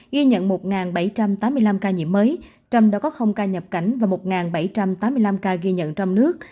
ghi nhận một bảy trăm tám mươi năm ca nhiễm mới trong đó có không ca nhập cảnh và một bảy trăm tám mươi năm ca ghi nhận trong nước